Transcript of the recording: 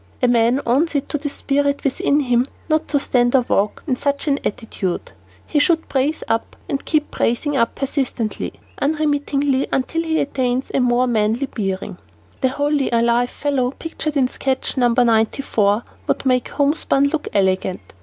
A man owes it to the spirit within him not to stand or walk in such an attitude. He should brace up and keep bracing up persistently, unremittently, until he attains a more manly bearing. [Illustration: NO. 94] The wholly alive fellow pictured in sketch No. 94 would make homespun look elegant.